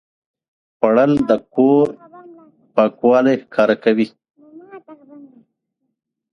خوړل د کور پاکوالی ښکاره کوي